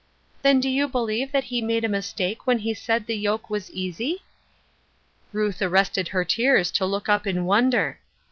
" Then do you believe that he made a mistake when he said the yoke was easy ?" Ruth arrested her tears to look up in wonder.